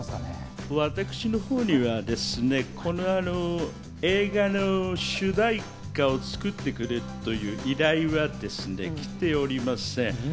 私のほうには、この映画の主題歌を作ってくれという依頼はですね、来ておりません。